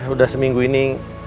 udah seminggu ini